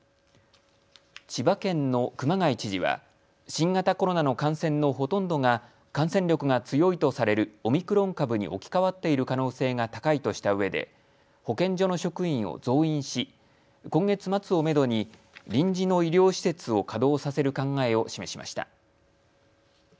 千葉県の熊谷知事は新型コロナの感染のほとんどが感染力が強いとされるオミクロン株に置き換わっている可能性が高いとしたうえで保健所の職員を増員し、今月末をめどに臨時の医療施設を稼働させる考えを示しました。